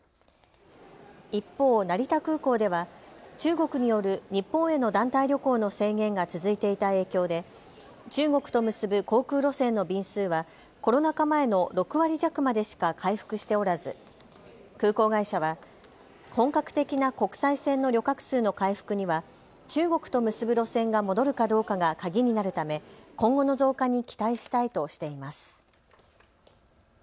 一方、成田空港では中国による日本への団体旅行の制限が続いていた影響で中国と結ぶ航空路線の便数はコロナ禍前の６割弱までしか回復しておらず空港会社は本格的な国際線の旅客数の回復には中国と結ぶ路線が戻るかどうかが鍵になるため今後の増加に期待したいとしています。